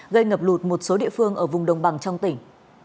gây ngập lụt một số địa phương ở vùng đồng bằng trong tỉnh